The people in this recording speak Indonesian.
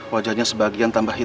wajahnya sebagian terlalu keras